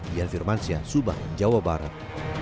di alvirmansia subang jawa barat